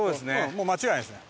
もう間違いないですね。